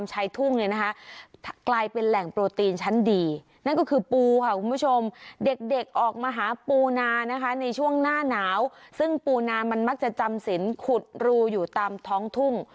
ซึ่งเด็กออกมาหาปูนานะคะในช่วงหน้าหนาวซึ่งปูนามันมักจะจำสินขุดรูอยู่ตามท้องทุ่ง